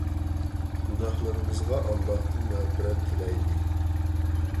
گۇناھلىرىمىزغا ئاللاھتىن مەغپىرەت تىلەيلى!